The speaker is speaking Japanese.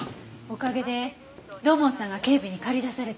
おかげで土門さんが警備に駆り出されてるわ。